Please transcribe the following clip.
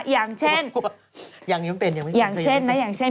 อย่างเช่นอย่างเช่นนะอย่างเช่น